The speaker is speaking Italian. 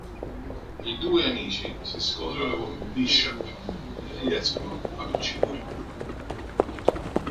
I due amici si scontrano con Bishop e riescono ad ucciderlo.